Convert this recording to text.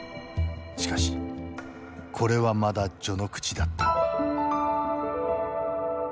しかしこれはまだ序の口だった。